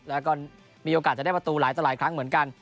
แล้วก็มีโอกาสจะได้ประตูหลายต่อหลายครั้งเหมือนกัน